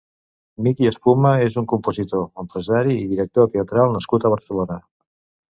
Miki Espuma és un compositor, empresari i director teatral nascut a Barcelona.